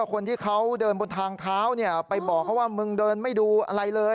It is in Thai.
คนที่เขาเดินบนทางเท้าไปบอกเขาว่ามึงเดินไม่ดูอะไรเลย